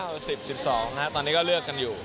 ๙๐วัน๑๒วันนะฮะตอนนี้ก็เรือกันอยู่